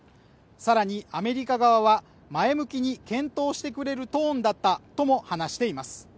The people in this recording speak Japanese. さらにアメリカ側は前向きに検討してくれるトーンだったとも話しています